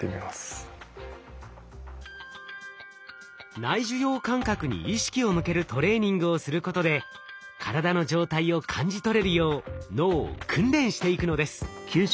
内受容感覚に意識を向けるトレーニングをすることで体の状態を感じ取れるよう脳を訓練していくのです。